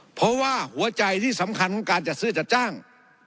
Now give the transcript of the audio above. เพราะว่าหัวใจที่สำคัญของการจัดซื้อจัดจ้าง